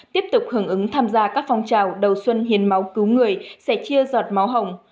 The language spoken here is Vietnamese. tiếp tục hưởng ứng tham gia các phong trào đầu xuân hiến máu cứu người sẽ chia giọt máu hồng